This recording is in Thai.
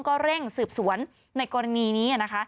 ก็เร่งสืบสวนในกรณีนี้นะคะ